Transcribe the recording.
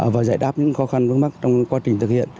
và giải đáp những khó khăn vướng mắt trong quá trình thực hiện